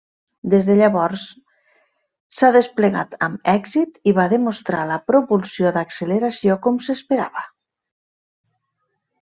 Des de llavors s'ha desplegat amb èxit i va demostrar la propulsió d'acceleració com s'esperava.